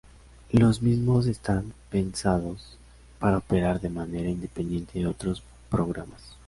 Los mismos están pensados para operar de manera independiente de otros programas.